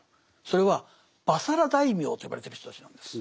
それは「婆娑羅大名」と呼ばれてる人たちなんです。